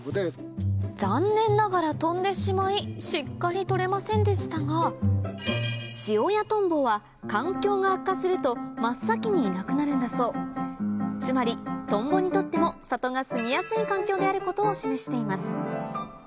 残念ながら飛んでしまいしっかり撮れませんでしたがは環境が悪化すると真っ先にいなくなるんだそうつまりトンボにとってもであることを示しています